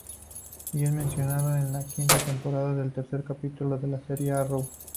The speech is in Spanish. Y es mencionado en la quinta temporada, el tercer capítulo de la serie Arrow